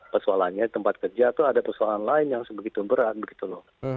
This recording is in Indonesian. pesualannya tempat kerja itu ada pesualan lain yang sebegitu berat begitu loh